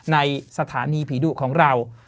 สถานีผีดุของเรา